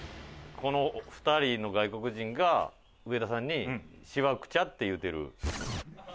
この２人の外国人が上田さんに「しわくちゃ」って言うてる。